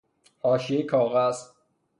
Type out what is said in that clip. حاشیه کاغذ